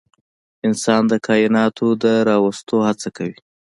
انسان د کایناتو د راوستو هڅه کوي.